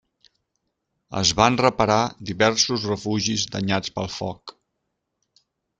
Es van reparar diversos refugis danyats pel foc.